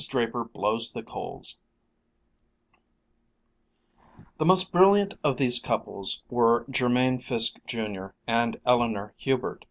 DRAPER BLOWS THE COALS The most brilliant of these couples were Jermain Fiske, Jr., and Eleanor Hubert.